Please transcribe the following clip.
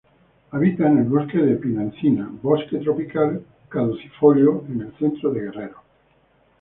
Habita en el bosque de pino-encino, bosque tropical caducifolio en el Centro de Guerrero.